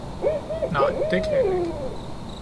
Nej, det kan jeg ikke!